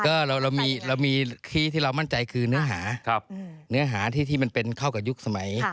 ก็เรามีที่ที่เรามั่นใจคือเนื้อหาเนื้อหาที่มันเป็นเข้ากับยุคสมัย